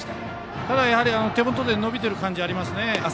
ただ、手元で伸びてる感じはありますね。